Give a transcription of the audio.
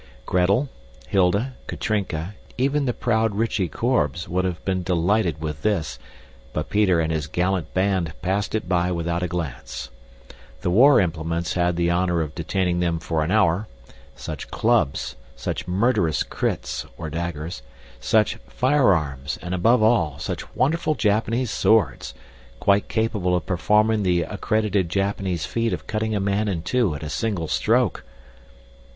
Gretel, Hilda, Katrinka, even the proud Rychie Korbes would have been delighted with this, but Peter and his gallant band passed it by without a glance. The war implements had the honor of detaining them for an hour; such clubs, such murderous krits, or daggers, such firearms, and, above all, such wonderful Japanese swords, quite capable of performing the accredited Japanese feat of cutting a man in two at a single stroke!